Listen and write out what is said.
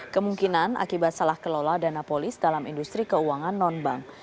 kemungkinan akibat salah kelola dana polis dalam industri keuangan non bank